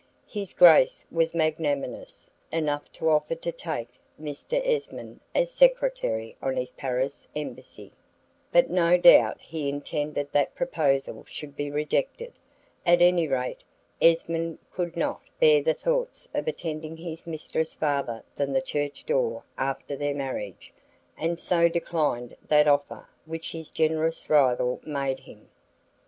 His Grace was magnanimous enough to offer to take Mr. Esmond as secretary on his Paris embassy, but no doubt he intended that proposal should be rejected; at any rate, Esmond could not bear the thoughts of attending his mistress farther than the church door after her marriage, and so declined that offer which his generous rival made him.